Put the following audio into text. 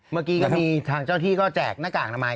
เมื่อกี้ก็มีทางเจ้าที่ก็แจกหน้ากากอนามัย